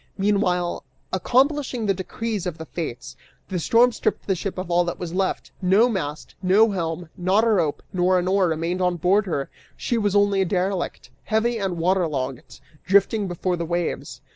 Meanwhile, accomplishing the decrees of the Fates, the storm stripped the ship of all that was left; no mast, no helm, not a rope nor an oar remained on board her; she was only a derelict, heavy and water logged, drifting before the waves.